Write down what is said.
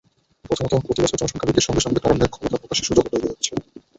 প্রথমত, প্রতিবছর জনসংখ্যা বৃদ্ধির সঙ্গে সঙ্গে তারুণ্যের ক্ষমতা প্রকাশের সুযোগও তৈরি হচ্ছে।